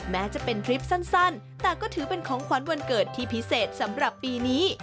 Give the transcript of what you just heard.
แม้จะเป็นทริปสั้นแต่ก็ถือเป็นของขวัญวันเกิดที่พิเศษสำหรับปีนี้